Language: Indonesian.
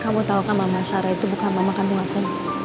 kamu tahu kan mama sarah itu bukan mama kandung aku